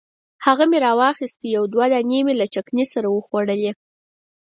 هغه مې راواخیستې یو دوه دانې مې له چکني سره وخوړلې.